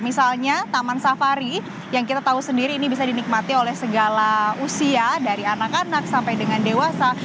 misalnya taman safari yang kita tahu sendiri ini bisa dinikmati oleh segala usia dari anak anak sampai dengan dewasa